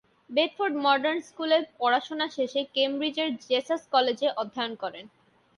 Bedford modern স্কুলে পড়াশোনা শেষে কেমব্রিজের জেসাস কলেজে অধ্যয়ন করেন।